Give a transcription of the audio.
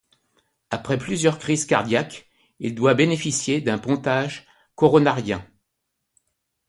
Après plusieurs crises cardiaques, il doit bénéficier d'un pontage coronarien.